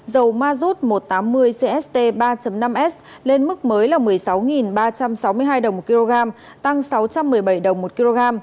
dầu mazut một trăm tám mươi cst ba năm s lên mức mới là một mươi sáu ba trăm sáu mươi hai đồng một kg tăng sáu trăm một mươi bảy đồng một kg